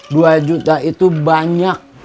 dua juta itu banyak